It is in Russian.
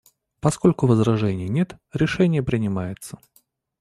Поскольку возражений нет, решение принимается.